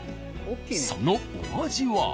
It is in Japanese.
そのお味は？